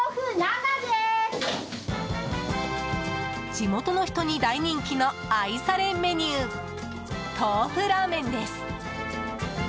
地元の人に大人気の愛されメニュー豆腐ラーメンです。